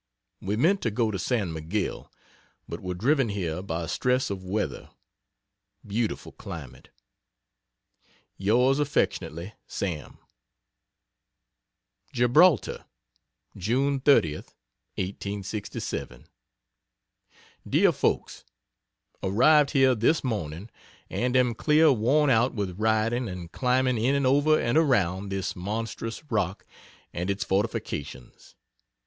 We meant to go to San Miguel, but were driven here by stress of weather. Beautiful climate. Yrs. Affect. SAM. GIBRALTAR, June 30th, 1867. DEAR FOLKS, Arrived here this morning, and am clear worn out with riding and climbing in and over and around this monstrous rock and its fortifications.